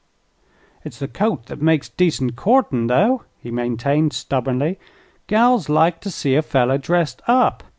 "It's the coat thet makes decent courtin', though," he maintained, stubbornly. "Gals like to see a feller dressed up.